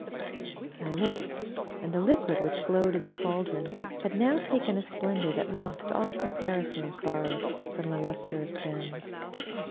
I looked, and the liquid which glowed in the caldron had now taken a splendor that mocked all comparisons bor rowed from the luster of gems.